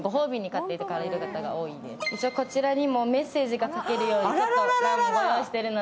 こちらにもメッセージが書けるように欄をご用意しているので。